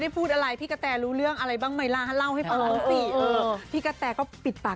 พูดได้แค่ว่าตอนนี้เพื่อนสาวเนี่ยเพื่อนโอ๋เนี่ยมีความสุขมาก